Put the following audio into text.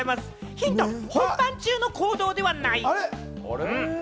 ヒント、本番中の行動ではないんです。